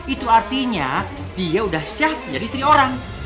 itu artinya dia udah siap jadi istri orang